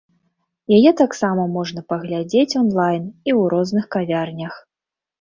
Яе таксама можна паглядзець онлайн і ў розных кавярнях.